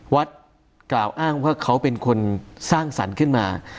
กล่าวอ้างว่าเขาเป็นคนสร้างสรรค์ขึ้นมา